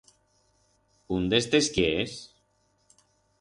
Un d'estes quiers?